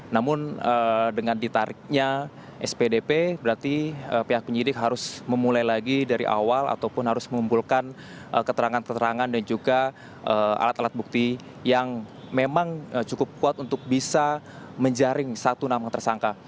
namun dengan ditariknya spdp berarti pihak penyidik harus memulai lagi dari awal ataupun harus mengumpulkan keterangan keterangan dan juga alat alat bukti yang memang cukup kuat untuk bisa menjaring satu nama tersangka